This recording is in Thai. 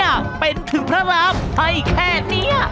เป็นถึงพระรามให้แค่นี้